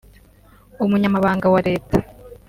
Umunyamabanga wa leta